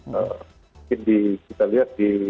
mungkin kita lihat di